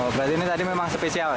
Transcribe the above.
berarti ini tadi memang spesial ya